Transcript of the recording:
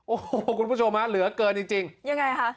โอ้โหคุณผู้ชมฮะเหลือเกินจริงยังไงคะ